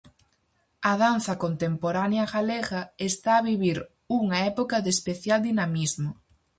A danza contemporánea galega está a vivir unha época de especial dinamismo.